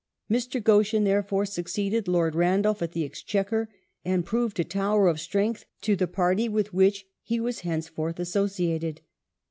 Mr. Goschen, therefore, suc ceeded Lord Randolph at the Exchequer and proved a tower of strength to the Party with which he was henceforth associated.